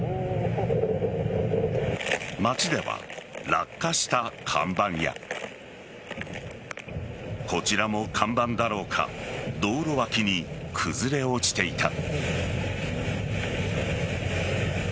街では落下した看板やこちらも看板だろうか道路脇に崩れ落ちていた。